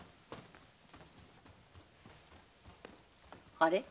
あれ？